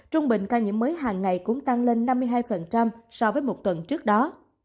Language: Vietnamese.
trung bình ca nhiễm mới hàng ngày cũng tăng lên năm mươi hai so với một tuần trước đó